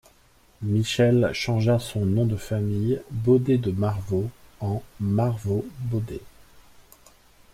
Michel changea son nom de famille, Baudet de Marvaud, en Marvaud-Baudet.